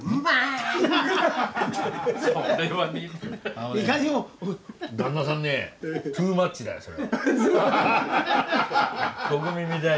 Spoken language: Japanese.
あのね旦那さんねトゥーマッチだよそれは。